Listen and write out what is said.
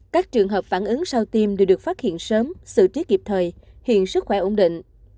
các trường hợp phản ứng sau tiêm đều được phát hiện sớm xử trí kịp thời hiện sức khỏe ổn định